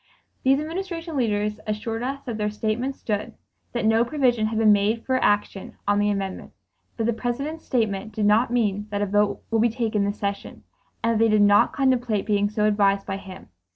These Administration leaders assured us that their statements stood; that no provision had been made for action on the amendment; that the President's statement did not mean that a vote would be taken this session; and that they did not contemplate being so advised by him.